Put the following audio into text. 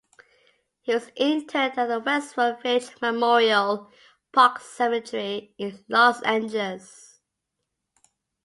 He was interred in the Westwood Village Memorial Park Cemetery in Los Angeles.